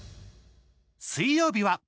水曜日は。